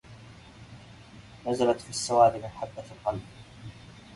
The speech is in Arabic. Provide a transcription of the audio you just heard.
نزلت في السواد من حبة القلب